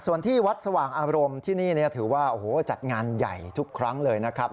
ส่วนที่วัดสว่างอารมณ์ที่นี่ถือว่าโอ้โหจัดงานใหญ่ทุกครั้งเลยนะครับ